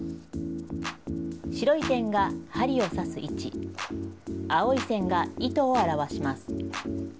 白い点が針を刺す位置、青い線が糸を表します。